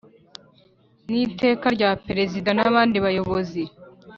n Iteka rya Perezida n abandi bayobozi